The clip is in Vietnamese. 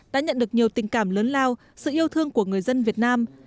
đã nhận được nhiều tình cảm lớn lao sự yêu thương của người dân việt nam